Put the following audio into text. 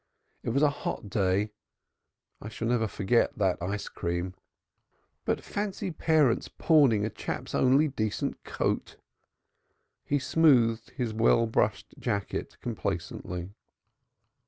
It was a hot day I shall never forget that ice cream. But fancy parents pawning a chap's only decent coat." He smoothed his well brushed jacket complacently.